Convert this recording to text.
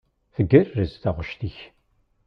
Tgerrez taɣect-ik.